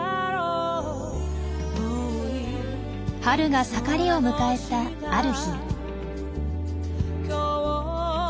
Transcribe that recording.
春が盛りを迎えたある日。